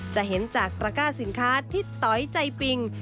จะเห็นจากตระก้าสินค้าทิศตอยใจปิง